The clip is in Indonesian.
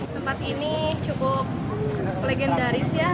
tempat ini cukup legendaris ya